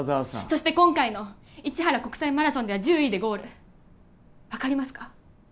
そして今回の市原国際マラソンでは１０位でゴール分かりますか？